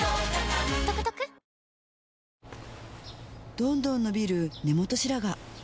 どんどん伸びる根元白髪